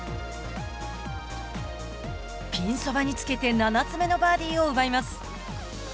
ピンそばにつけて、７つ目のバーディーを奪います。